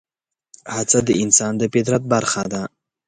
هڅه د انسان د فطرت برخه ده.